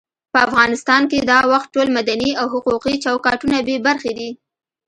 په افغانستان کې دا وخت ټول مدني او حقوقي چوکاټونه بې برخې دي.